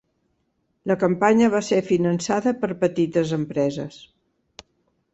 La campanya va ser finançada per petites empreses